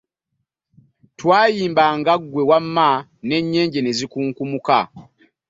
Twayimbanga ggwe wamma n'ennyenje ne zikunkumuka.